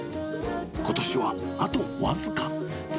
ことしはあと僅か。